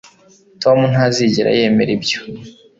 tom ntazigera yemera ibyo